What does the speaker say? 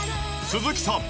鈴木さん